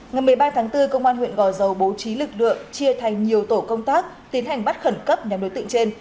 ngày một mươi ba tháng bốn công an huyện gò dầu bố trí lực lượng chia thành nhiều tổ công tác tiến hành bắt khẩn cấp nhóm đối tượng trên